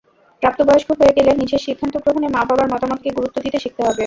প্রাপ্তবয়স্ক হয়ে গেলে নিজের সিদ্ধান্তগ্রহণে মা-বাবার মতামতকে গুরুত্ব দিতে শিখতে হবে।